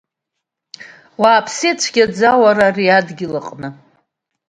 Уааԥсеит цәгьаӡа, уара ари адгьыл аҟны.